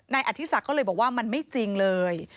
อธิศักดิ์ก็เลยบอกว่ามันไม่จริงเลย